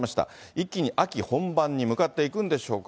一気に秋本番に向かっていくんでしょうか。